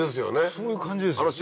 そういう感じですよね